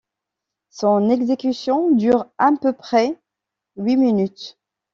Son exécution dure à peu près huit minutes.